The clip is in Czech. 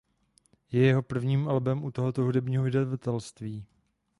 Je jeho prvním albem u tohoto hudební vydavatelství.